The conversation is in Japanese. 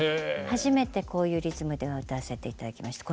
初めてこういうリズムでは歌わせて頂きました。